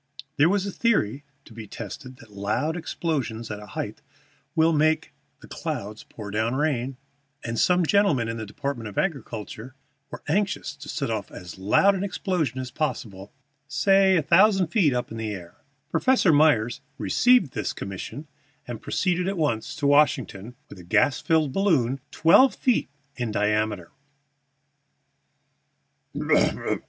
There was a theory to be tested that loud explosions at a height will make the clouds pour down water, and some gentlemen in the Department of Agriculture were anxious to set off as loud an explosion as possible, say a thousand feet up in the air. Professor Myers received this commission, and proceeded at once to Washington with a gas balloon twelve feet in diameter.